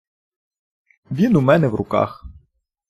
Він у мене в руках.